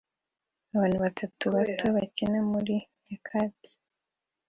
Abana batatu bato bakina muri nyakatsi